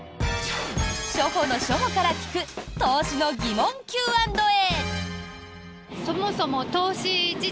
初歩の初歩から聞く投資の疑問Ｑ＆Ａ。